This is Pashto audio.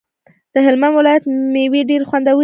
د هلمند ولایت ميوی ډيری خوندوری دی